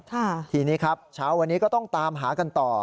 ทีนี้ครับเช้าวันนี้ก็ต้องตามหากันต่อ